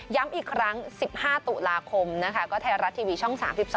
อีกครั้ง๑๕ตุลาคมนะคะก็ไทยรัฐทีวีช่อง๓๒